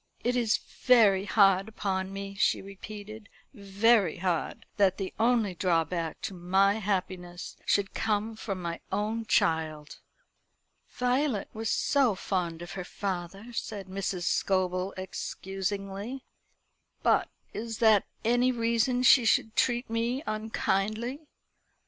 "It is very hard upon me," she repeated "very hard that the only drawback to my happiness should come from my own child." "Violet was so fond of her father," said Mrs. Scobel excusingly. "But is that any reason she should treat me unkindly?